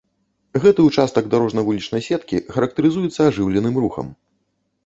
Гэты ўчастак дарожна-вулічнай сеткі характарызуецца ажыўленым рухам.